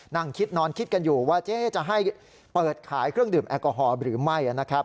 นั่งคิดนอนคิดกันอยู่ว่าจะให้เปิดขายเครื่องดื่มแอลกอฮอล์หรือไม่นะครับ